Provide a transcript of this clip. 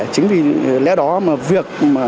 chính vì lẽ đó mà việc